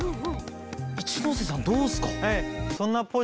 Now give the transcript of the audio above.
一ノ瀬さんどうですか？